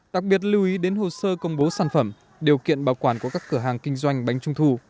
đặc biệt lưu ý đến hồ sơ công bố sản phẩm điều kiện bảo quản của các cửa hàng kinh doanh bánh trung thu